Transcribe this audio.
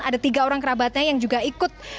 ada tiga orang kerabatnya yang juga ikut